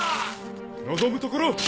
望むところ！